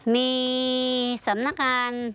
มีสำนักงาน